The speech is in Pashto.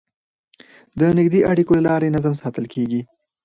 د نږدې اړیکو له لارې نظم ساتل کېږي.